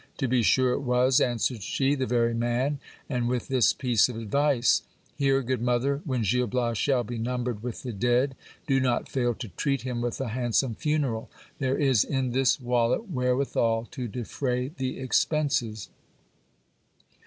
To be sure it was, answered she ; the very man ; and with this piece of advice : Here, good mother, when Gil Bias shall be numbered with the dead, do not fail to treat him with a hand some funeral ; there is in this wallet wherewithal to defray the expenses.